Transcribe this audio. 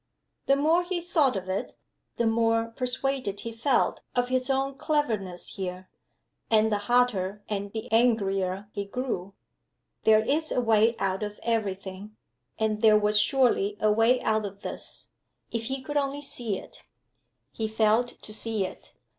The more he thought of it, the more persuaded he felt of his own cleverness here, and the hotter and the angrier he grew. There is a way out of every thing. And there was surely a way out of this, if he could only see it. He failed to see it.